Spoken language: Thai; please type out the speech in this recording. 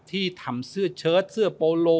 ที่ทำเสื้อเชิดเสื้อโปโล